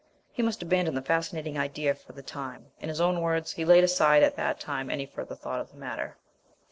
He must abandon the fascinating idea for the time. In his own words, "he laid aside at that time any further thought of the matter."